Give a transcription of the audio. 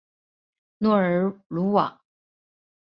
诺尔鲁瓦。